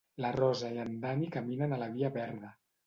La Rosa i en Dani caminen a la via verda